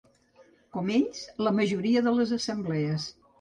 Com ells, la majoria de les assemblees.